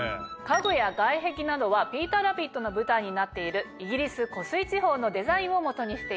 家具や外壁などは『ピーターラビット』の舞台になっているイギリス湖水地方のデザインを基にしています。